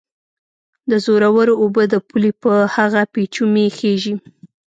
د زورورو اوبه د پولې په هغه پېچومي خېژي